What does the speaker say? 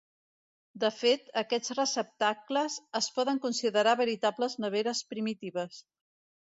De fet, aquests receptacles es poden considerar veritables neveres primitives.